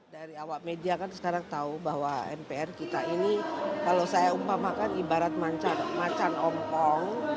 dari awak media kan sekarang tahu bahwa mpr kita ini kalau saya umpamakan ibarat macan ompong